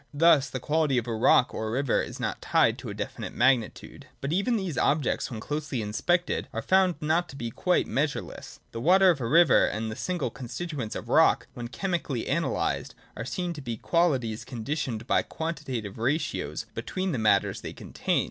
Thus the quality of a rock or a river is not tied to a definite magni tude. But even these objects when closely inspected are found not to be quite measureless : the water of a river, and the single constituents of a rock, when chemically analysed, are seen to be qualities conditioned by quantitative ratios between the matters they contain.